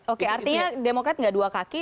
oke artinya demokrat nggak dua kaki